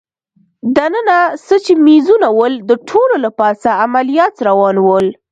دننه څه چي مېزونه ول، د ټولو له پاسه عملیات روان ول.